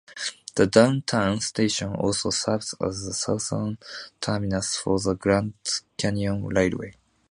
The downtown station also serves as the southern terminus for the Grand Canyon Railway.